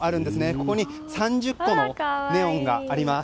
ここに３０個のネオンがあります。